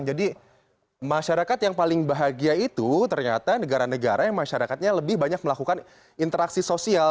jadi masyarakat yang paling bahagia itu ternyata negara negara yang masyarakatnya lebih banyak melakukan interaksi sosial